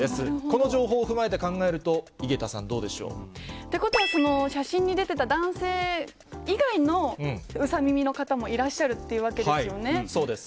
この情報を踏まえて考えると、井桁さん、どうでしょう？ってことは、写真に出てた男性以外のウサ耳の方もいらっしゃるっていうわけでそうです。